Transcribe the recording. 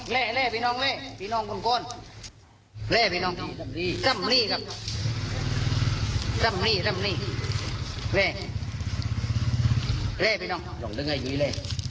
นี่เล่พี่น้องหย่องเตือนศวรรษระดวมเส้นนี้เล่